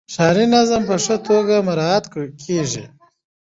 ښاري نظم په ښه توګه مراعات کیږي.